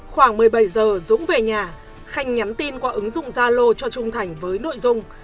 khoảng một mươi bảy giờ dũng về nhà khanh nhắn tin qua ứng dụng zalo cho trung thành với nội dung